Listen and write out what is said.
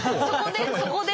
「そこで」？